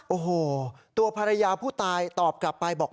โอ้โหตัวภรรยาผู้ตายตอบกลับไปบอก